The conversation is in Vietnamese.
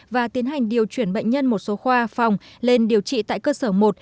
và tiến hành điều chuyển bệnh nhân một số khoa phòng lên điều trị tại cơ sở một